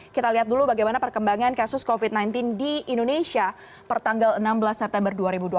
kita lihat dulu bagaimana perkembangan kasus covid sembilan belas di indonesia pertanggal enam belas september dua ribu dua puluh